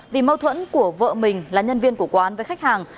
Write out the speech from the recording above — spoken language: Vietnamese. vì mâu thuẫn của vợ mình là nhân viên của quán với khách hàng